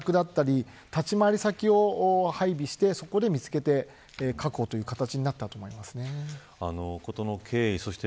もちろん自宅だったり立ち回り先を配備してそこで見つけて確保という形になったと思います。